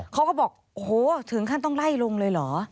เขาก็บอกโอ้โหถึงขั้นต้องไล่ลุงเลยเหรอ